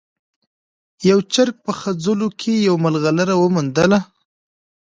یو چرګ په خځلو کې یوه ملغلره وموندله.